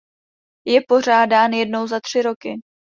Je pořádán jednou za tři roky.